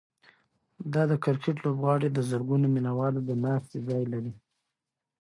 دا د کرکټ لوبغالی د زرګونو مینه والو د ناستې ځای لري.